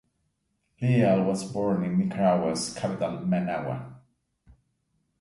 Leal was born in Nicaragua's capital Managua.